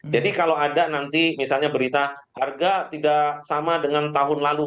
jadi kalau ada nanti misalnya berita harga tidak sama dengan tahun lalu